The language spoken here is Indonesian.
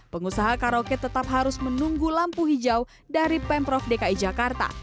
pengusaha karaoke tetap harus menunggu lampu hijau dari pemprov dki jakarta